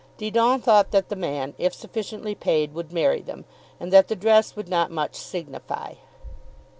Didon thought that the man, if sufficiently paid, would marry them, and that the dress would not much signify.